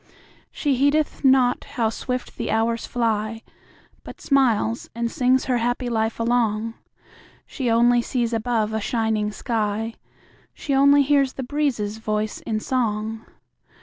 She heedeth not how swift the hours fly, But smiles and sings her happy life along; She only sees above a shining sky; She only hears the breezes' voice in song.